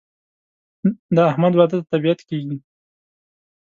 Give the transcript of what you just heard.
د احمد واده ته طبیعت کېږي.